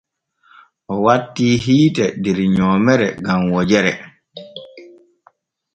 O wattii hiite der nyoomere gam wojere.